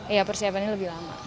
iya persiapannya lebih lama